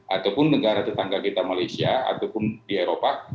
ataupun negara tetangga kita malaysia ataupun di eropa